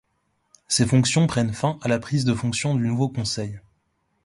Ses fonctions prennent fin à la prise de fonction du nouveau Conseil.